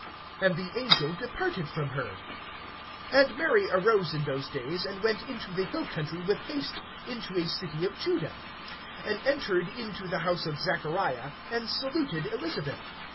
And the angel departed from her. (39)And Mary arose in those days, and went into the hill country with haste, into a city of Judah; (40)and entered into the house of Zachariah, and saluted Elisabeth.